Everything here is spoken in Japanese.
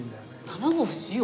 卵不使用。